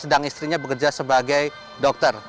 sedang istrinya bekerja sebagai dokter